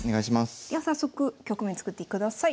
では早速局面作ってください。